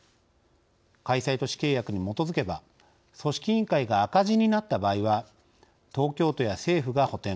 開催都市契約に基づけば組織委員会が赤字になった場合は東京都や政府が補てん